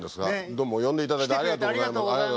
どうも呼んでいただいてありがとうございます。